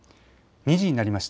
２時になりました。